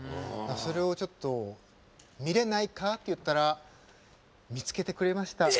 それを、ちょっと見れないかな？って言ったら見つけてくれました